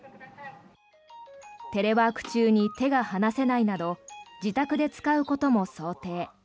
テレワーク中に手が離せないなど自宅で使うことも想定。